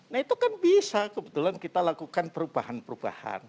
nah itu kan bisa kebetulan kita lakukan perubahan perubahan